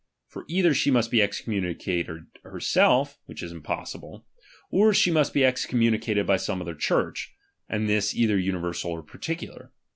For either she must excommu nicate herself, which is impossible ; or she must be excommunicated by some other Church ; and this, cither universal or particular.